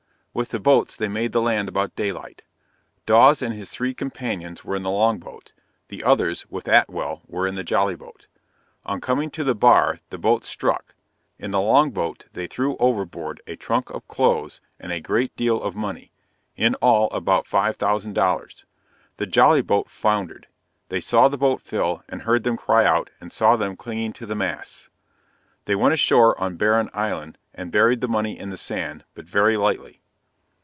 With the boats they made the land about daylight. Dawes and his three companions were in the long boat; the others, with Atwell, were in the jolly boat on coming to the bar the boats struck in the long boat, they threw overboard a trunk of clothes and a great deal of money, in all about 5000 dollars the jolly boat foundered; they saw the boat fill, and heard them cry out, and saw them clinging to the masts they went ashore on Barron Island, and buried the money in the sand, but very lightly.